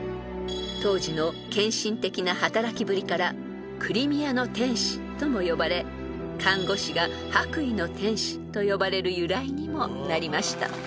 ［当時の献身的な働きぶりから「クリミアの天使」とも呼ばれ看護師が「白衣の天使」と呼ばれる由来にもなりました］